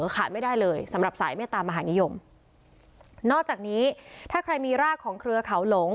ขาดไม่ได้เลยสำหรับสายเมตามหานิยมนอกจากนี้ถ้าใครมีรากของเครือเขาหลง